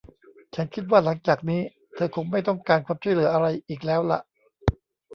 ฉันคิดว่าหลังจากนี้เธอคงไม่ต้องการความช่วยเหลืออะไรอีกแล้วล่ะ